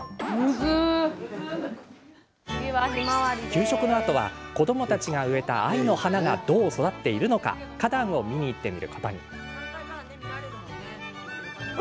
給食のあとは子どもたちが植えた愛の花がどう育っているのか花壇を見に行ってみることに。